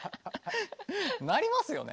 なりますよね。